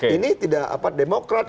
ini tidak demokrat